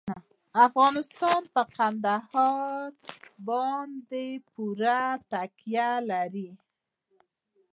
افغانستان په کندهار باندې پوره تکیه لري.